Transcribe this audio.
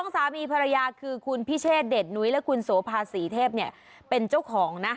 สามีภรรยาคือคุณพิเชษเดชนุ้ยและคุณโสภาศรีเทพเนี่ยเป็นเจ้าของนะ